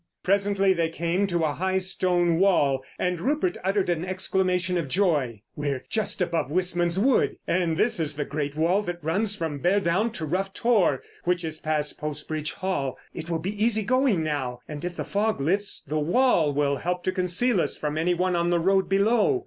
Presently they came to a high, stone wall, and Rupert uttered an exclamation of joy. "We're just above Wistman's Wood, and this is the great wall that runs from Beardown to Rough Tor, which is past Post Bridge Hall. It will be easy going now, and if the fog lifts the wall will help to conceal us from anyone on the road below."